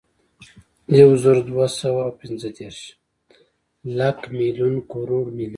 یوزرودوهسوه اوپنځهدېرس، لک، ملیون، کروړ، ملیارد